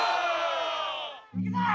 いくぞ！